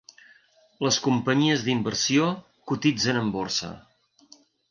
Les companyies d'inversió cotitzen en borsa.